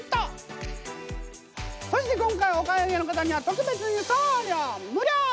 そして今回お買い上げの方には特別に送料無料！